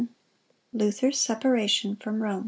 7. LUTHER'S SEPARATION FROM ROME.